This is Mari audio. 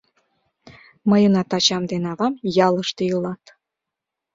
— Мыйынат ачам ден авам ялыште илат.